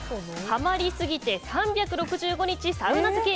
ハマりすぎて３６５日サウナづけ。